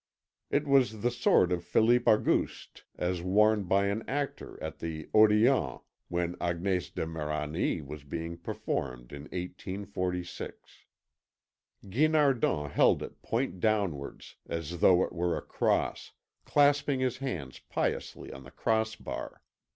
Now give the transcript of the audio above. It was the sword of Philippe Auguste as worn by an actor at the Odéon when Agnès de Méranie was being performed in 1846. Guinardon held it point downwards, as though it were a cross, clasping his hands piously on the cross bar.